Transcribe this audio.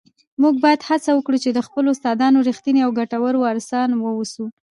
موږ باید هڅه وکړو چي د خپلو استادانو رښتیني او ګټور وارثان واوسو.